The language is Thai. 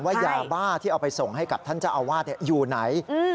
ยาบ้าที่เอาไปส่งให้กับท่านเจ้าอาวาสอยู่ไหน